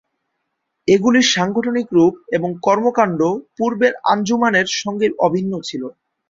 এগুলির সাংগঠনিক রূপ এবং কর্মকান্ড পূর্বের আঞ্জুমানের সঙ্গে অভিন্ন ছিল।